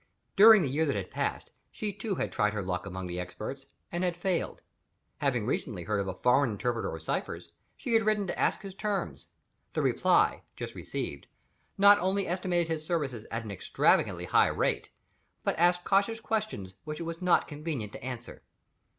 During the year that had passed, she too had tried her luck among the Experts, and had failed. Having recently heard of a foreign interpreter of ciphers, she had written to ask his terms. The reply (just received) not only estimated his services at an extravagantly high rate, but asked cautious questions which it was not convenient to answer.